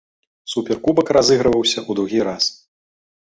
Суперкубак разыгрываўся ў другі раз.